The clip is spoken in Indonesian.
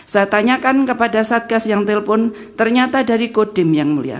saya tanyakan kepada satgas yang telpon ternyata dari kodim yang mulia